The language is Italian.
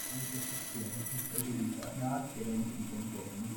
La manifestazione è preceduta da altri eventi di contorno.